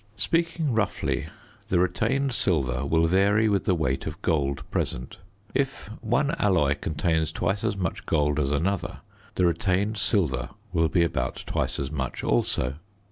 Speaking roughly the retained silver will vary with the weight of gold present; if one alloy contains twice as much gold as another the retained silver will be about twice as much also.